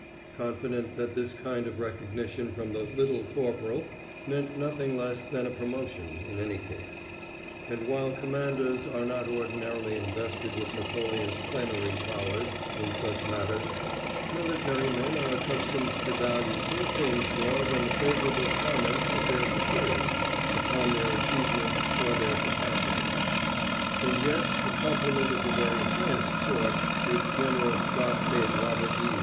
confident that this kind of recognition from the Little Corporal meant nothing less than a promotion, in any case; and while commanders are not ordinarily invested with Napoleon's plenary powers in such matters, military men are accustomed to value few things more than the favorable comments of their superiors upon their achievements or their capacity. And yet a compliment of the very highest sort, which General Scott paid Robert E.